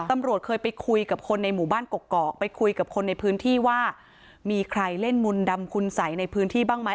ตำรวจเคยไปคุยกับคนในหมู่บ้านกกอกไปคุยกับคนในพื้นที่ว่ามีใครเล่นมนต์ดำคุณสัยในพื้นที่บ้างไหม